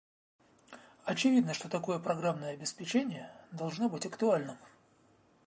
Очевидно, что такое программное обеспечение должно быть актуальным